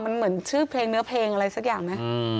มันเหมือนชื่อเพลงเนื้อเพลงอะไรสักอย่างนะ